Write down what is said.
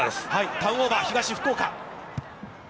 ターンオーバー、東福岡。